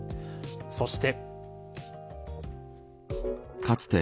そして。